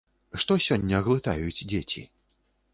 Што сёння глытаюць дзеці?